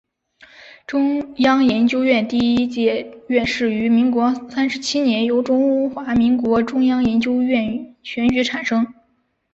中央研究院第一届院士于民国三十七年由中华民国中央研究院选举产生。